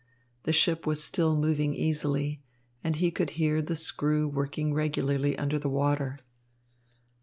The ship was still moving easily, and he could hear the screw working regularly under the water.